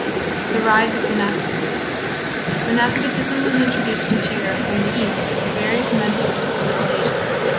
The Rise of Monasticism. Monasticism was introduced into Europe from the East at the very commencement of the Middle Ages.